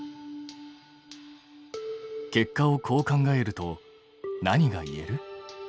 結果をこう考えると何が言える？